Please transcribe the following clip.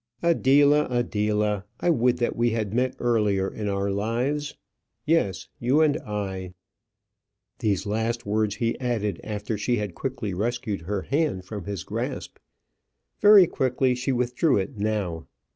"Adela! Adela! I would that we had met earlier in our lives. Yes, you and I." These last words he added after she had quickly rescued her hand from his grasp. Very quickly she withdrew it now.